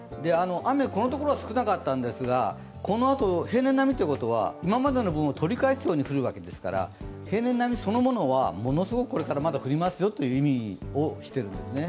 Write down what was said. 雨、このところは少なかったんですが、このあと平年並みということは今までの分を取り返すように降るわけですから平年並みそのものはこれからまたすごく降りますよということを意味しているんですね。